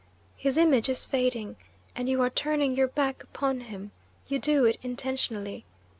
His image is fading, and you are turning your back upon him. You do it intentionally.